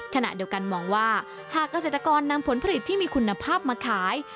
ขณะเดียวกันมองว่าหากเกษตรกรนำผลผลิตที่มีคุณภาพมาขาย